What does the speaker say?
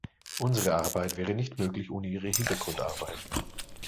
Unsere Arbeit wäre nicht möglich ohne Ihre Hintergrundarbeit.